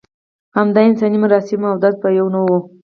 همدا انساني مراسم او درد به یو نه و.